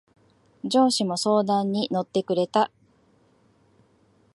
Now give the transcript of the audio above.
上司も相談に乗ってくれた。